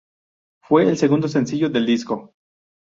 Fue el segundo sencillo del disco.